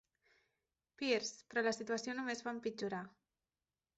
Pierce, però la situació només va empitjorar.